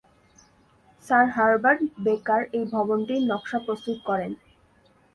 Sir Herbert Baker এই ভবনটির নকশা প্রস্তুত করেন।